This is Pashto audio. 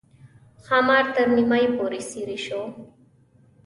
ښامار تر نیمایي پورې څېرې شو.